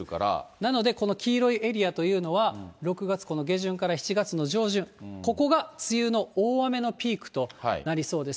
なので、この黄色いエリアというのは、６月、この下旬から７月の上旬、ここが梅雨の大雨のピークとなりそうです。